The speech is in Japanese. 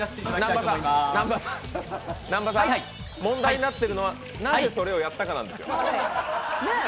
南波さん、問題になってるのは、なぜそれをやったかなんですよ。